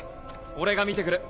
俺が見てくる。